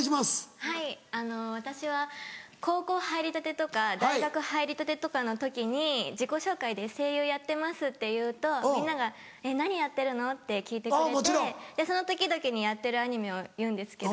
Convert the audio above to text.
はいあの私は高校入りたてとか大学入りたてとかの時に自己紹介で声優やってますって言うとみんなが「えっ何やってるの？」って聞いてくれてその時々にやってるアニメを言うんですけど。